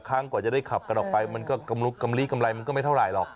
ครั้งกว่าจะได้ขับกันออกไปมันก็กำลุกกำลีกำไรมันก็ไม่เท่าไหร่หรอก